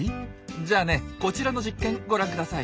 じゃあねこちらの実験ご覧ください。